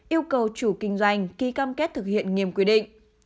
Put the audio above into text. yêu cầu chủ kinh doanh ký cam kết thực hiện nghiêm quy định